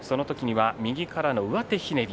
右からの上手ひねり。